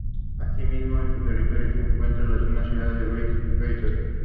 Asimismo, en su territorio se encuentra una ciudad, Bridgewater.